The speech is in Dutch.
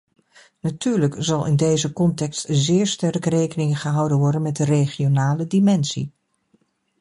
Natuurlijk zal in deze context zeer sterk rekening gehouden worden met de regionale dimensie.